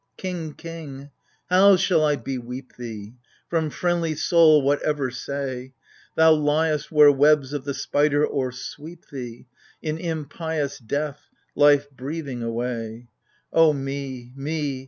King, king, how shall I beweep thee ! From friendly soul what ever say ? Thou liest where webs of the spider o'ersweep thee, In impious death, life breathing away. Oh, me — me